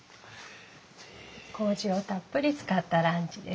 こうじをたっぷり使ったランチです。